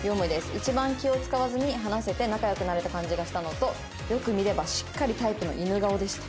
「一番気を使わずに話せて仲良くなれた感じがしたのとよく見ればしっかりタイプの犬顔でした」。